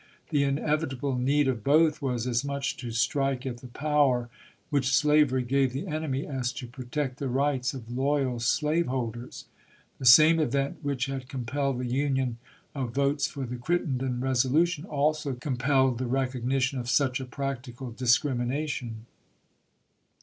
The inevitable need of both was as much to strike at the power which slavery gave the enemy as to protect the rights of loyal slave holders. The same event which had compelled the union of votes for the Crittenden resolution also compelled the recognition of such a practical dis crimination.